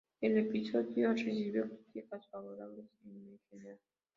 El episodio recibió críticas favorables en general.